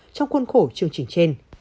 trong khuôn khổ chương trình trên